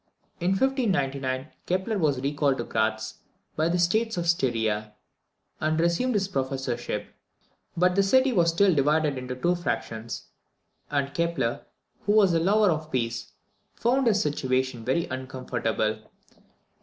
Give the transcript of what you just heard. In 1599, Kepler was recalled to Gratz by the States of Styria, and resumed his professorship; but the city was still divided into two factions, and Kepler, who was a lover of peace, found his situation very uncomfortable.